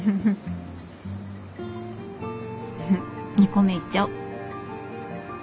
２個目いっちゃお。